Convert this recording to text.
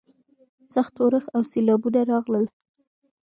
سخت اورښت او سیلاوونه راغلل.